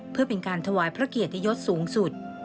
เพื่อเป็นการถวายพระเกียรติยศสูงสุด